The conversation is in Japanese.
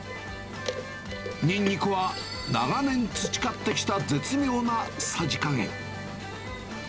にんにくは長年培ってきた絶妙なさじ加減。